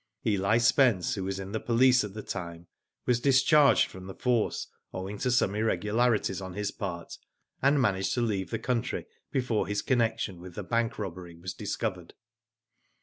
Eli Spence, who was in the police at the time, R 2 Digitized by VjOOQIC 244 ^^0 DID ITf was discharged from the force owing to some irregularities on his part, and managed to leave the country before his connection with the bank robbery was discovered.